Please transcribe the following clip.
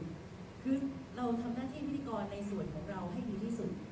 คือเราทำหน้าที่พิธีกรในส่วนของเราให้ดีที่สุด